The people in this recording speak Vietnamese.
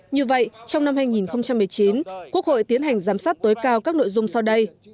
như vậy trong năm hai nghìn một mươi chín quốc hội tiến hành giám sát tối cao các nội dung sau đây